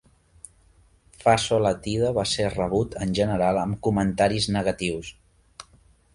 "Faso Latido" va ser rebut en general amb comentaris negatius.